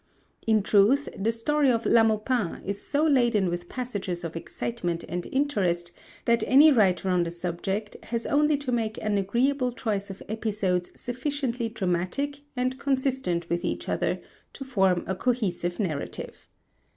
In truth the story of La Maupin is so laden with passages of excitement and interest that any writer on the subject has only to make an agreeable choice of episodes sufficiently dramatic, and consistent with each other, to form a cohesive narrative.